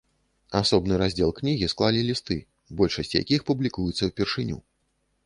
Асобны раздзел кнігі склалі лісты, большасць якіх публікуецца ўпершыню.